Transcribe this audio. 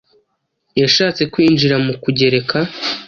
yashatse kwinjira mu kugereka,